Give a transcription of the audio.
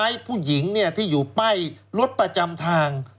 เพราะว่าผู้หญิงเนี่ยที่อยู่ใบ้รถประจำทาง